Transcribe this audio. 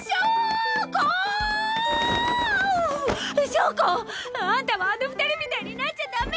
硝子！あんたはあの二人みたいになっちゃダメよ。